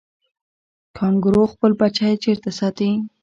کانګارو خپل بچی چیرته ساتي؟